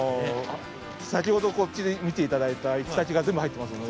先ほどこっちで見て頂いた行き先が全部入ってますので。